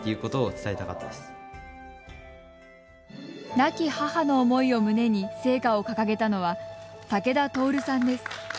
亡き母の思いを胸に聖火を掲げたのは竹田徹さんです。